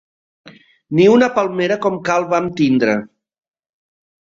Ni una palmera com cal vam tindre.